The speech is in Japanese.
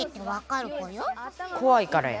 こわいからや。